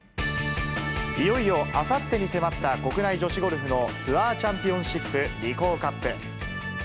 いよいよあさってに迫った国内女子ゴルフのツアーチャンピオンシップ、リコーカップ。